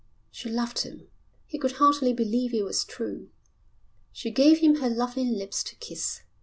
She loved him. He could hardly believe it was true. She gave him her lovely lips to kiss.